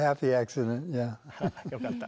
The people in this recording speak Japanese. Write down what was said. よかった。